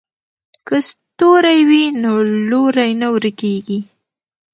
که ستوری وي نو لوری نه ورکیږي.